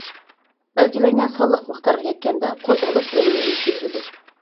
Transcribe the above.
بەلگىلەنگەن سانلىق مىقدارغا يەتكەندە قوزغىلىش ئۈنۈمى يۈز بېرىدۇ.